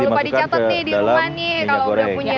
jangan lupa dicatat nih di ruang nih kalau udah punya